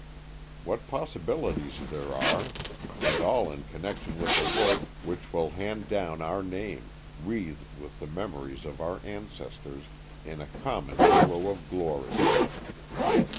What possibilities there are, and all in connection with a work which will hand down our name, wreathed with the memories of our ancestors, in a common halo of glory!